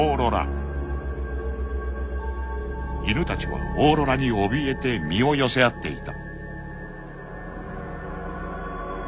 ［犬たちはオーロラにおびえて身を寄せ合っていた］